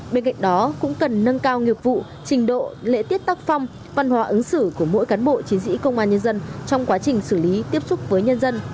bên cạnh đó cũng cần nâng cao nghiệp vụ trình độ lễ tiết tác phong văn hóa ứng xử của mỗi cán bộ chiến sĩ công an nhân dân trong quá trình xử lý tiếp xúc với nhân dân